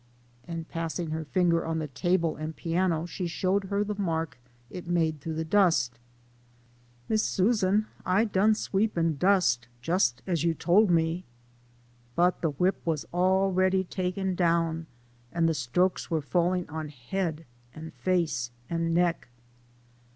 " and passing her finger on the table and piano, she showed her the mark it made through the dust. " Miss Susan,! done sweep and dust jus' as you tole rue." But the whip was already taken down, and the strokes were falling on head and face and neck.